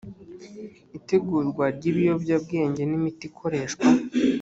itegurwa ry ibiyobyabwenge n imiti ikoreshwa